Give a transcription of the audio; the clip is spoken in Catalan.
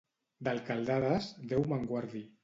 D'alcaldades, Déu me'n guardi.